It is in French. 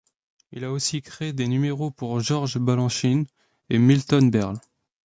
Il a aussi créé des numéros pour George Balanchine et Milton Berle.